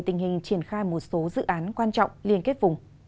tình hình triển khai một số dự án quan trọng liên kết vùng